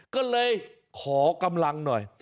ก็เลยขอกำลังหน่อย